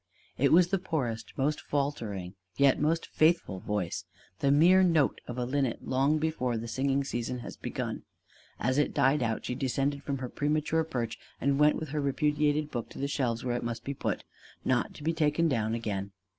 It was the poorest, most faltering, yet most faithful voice the mere note of a linnet long before the singing season has begun. As it died out, she descended from her premature perch and went with her repudiated book to the shelves where it must be put not to be taken down again.